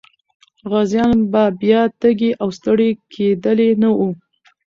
غازيان به بیا تږي او ستړي کېدلي نه وو.